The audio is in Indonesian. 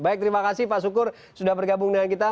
baik terima kasih pak sukur sudah bergabung dengan kita